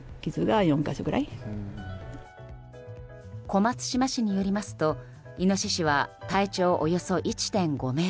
小松島市によりますとイノシシは体長およそ１．５ｍ。